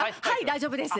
大丈夫です。